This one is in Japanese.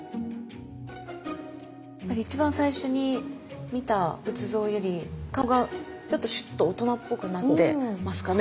やっぱり一番最初に見た仏像より顔がちょっとシュッと大人っぽくなってますかね。